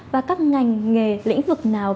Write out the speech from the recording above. và các ngành nghề lĩnh vực nào